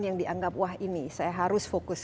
yang dianggap wah ini saya harus fokus